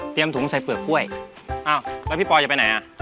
ถุงใส่เปลือกกล้วยอ้าวแล้วพี่ปอยจะไปไหนอ่ะ